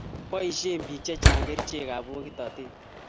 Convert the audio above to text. Baishen pik che changa kerichek ab pokinatet